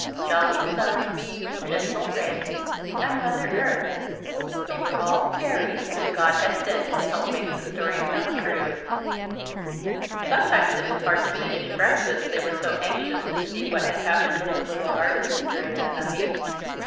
Jolly Sun, gentle Rain, and Mother Earth they were all fairies whom God had sent to help make the story come true. Sometimes it was hard to finish breakfast, they were so anxious to see what had happened in the little gardens during the night.